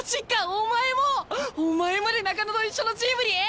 お前もお前まで中野と一緒のチームに！？